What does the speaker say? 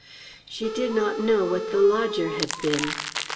She did not know what the lodger had been.